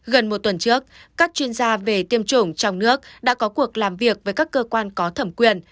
gần một tuần trước các chuyên gia về tiêm chủng trong nước đã có cuộc làm việc với các cơ quan có thẩm quyền